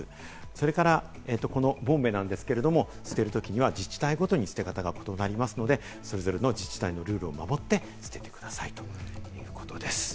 それから、ボンベなんですけれども、捨てるときには自治体ごとに捨て方が異なりますので、それぞれの自治体のルールを守って捨ててくださいということです。